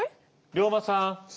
龍馬さん？